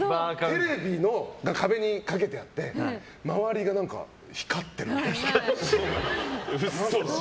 テレビの壁にかけてあって周りが光ってるみたいな。